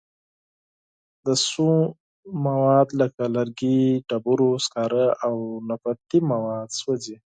د سون مواد لکه لرګي، ډبرو سکاره او نفتي مواد سوځي.